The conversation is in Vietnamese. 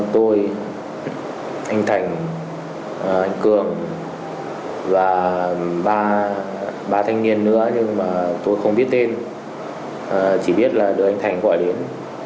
tôi thanh thành anh cường và ba thanh niên nữa nhưng mà tôi không biết tên chỉ biết là đưa anh thành gọi đến